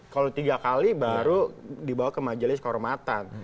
kalau tiga kali baru dibawa ke majelis kehormatan